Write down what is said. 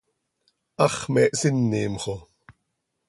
¡Hax me hsinim xo!